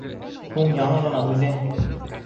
Һуң яңы ғына үҙең!..